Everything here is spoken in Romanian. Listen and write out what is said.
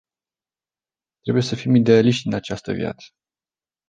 Trebuie să fim idealiști în această viață.